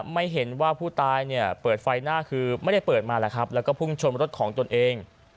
ไม่เห็นว่าผู้ตายเปิดไฟหน้าคือไม่ได้เปิดมาแล้วก็พุ่งชนรถของตนเอง